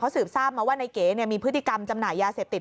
สืบทราบมาว่านายเก๋มีพฤติกรรมจำหน่ายยาเสพติด